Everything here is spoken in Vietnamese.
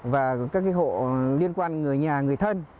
và các hộ liên quan người nhà người thân